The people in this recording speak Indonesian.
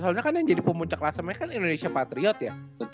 soalnya kan yang jadi pemuncak lasemnya kan indonesia patriot ya